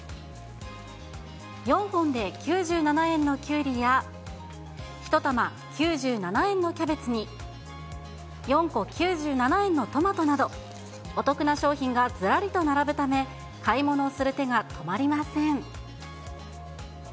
４本で９７円のキュウリや、１玉９７円のキャベツに、４個９７円のトマトなど、お得な商品がずらりと並ぶため、買い物する手が止まりません。